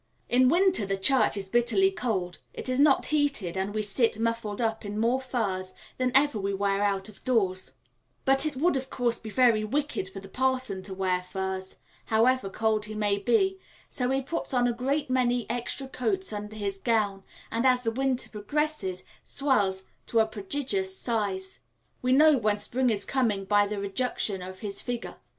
In winter the church is bitterly cold; it is not heated, and we sit muffled up in more furs than ever we wear out of doors; but it would of course be very wicked for the parson to wear furs, however cold he may be, so he puts on a great many extra coats under his gown, and, as the winter progresses, swells to a prodigious size. We know when spring is coming by the reduction in his figure.